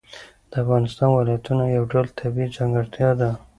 د افغانستان ولایتونه یو ډول طبیعي ځانګړتیا ده.